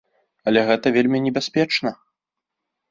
Але гэта вельмі небяспечна.